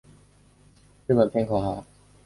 日本偏口蛤是偏口蛤科偏口蛤属的一种。